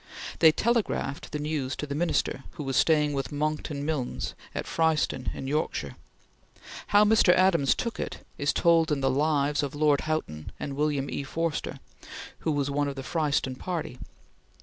They telegraphed the news to the Minister, who was staying with Monckton Milnes at Fryston in Yorkshire. How Mr. Adams took it, is told in the "Lives" of Lord Houghton and William E. Forster who was one of the Fryston party.